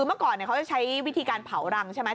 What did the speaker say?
เมื่อก่อนค่อยเค้าใช้วิธีการเผารังใช่ไหม